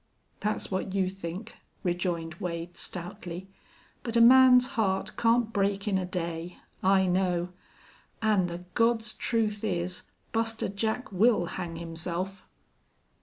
"That's what you think," rejoined Wade, stoutly. "But a man's heart can't break in a day. I know.... An' the God's truth is Buster Jack will hang himself!"